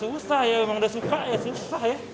ya susah ya memang udah suka ya susah ya